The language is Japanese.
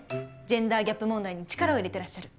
ジェンダーギャップ問題に力を入れていらっしゃる。